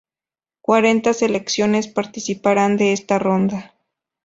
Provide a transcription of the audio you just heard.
Cuarenta selecciones participarán de esta ronda.